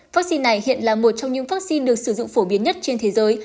vaccine này hiện là một trong những vaccine được sử dụng phổ biến nhất trên thế giới